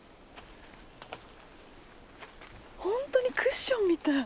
本当にクッションみたい。